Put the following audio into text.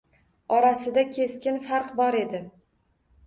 Orasida keskin farq bor edi.